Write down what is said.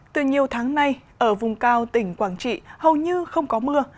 từ nhiều tháng nay ở vùng cao tỉnh quảng trị hầu như không có mưa